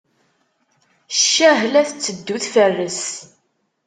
Ccah! la tetteddu tfarres.